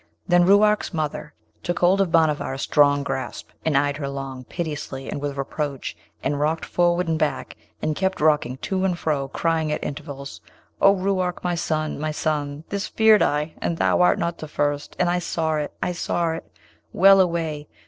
Then Ruark's mother took hold of Bhanavar a strong grasp, and eyed her long, piteously, and with reproach, and rocked forward and back, and kept rocking to and fro, crying at intervals, 'O Ruark! my son! my son! this feared I, and thou art not the first! and I saw it, I saw it! Well away!